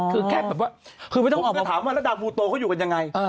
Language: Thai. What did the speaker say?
คือแค่แบบว่าผมก็ถามว่าระดับฟูโตเขาอยู่กันยังไง